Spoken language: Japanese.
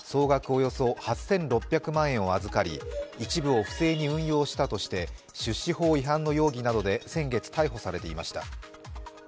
およそ８６００万円を預かり一部を不正に運用したとして出資法違反の容疑などで先月逮捕されていました。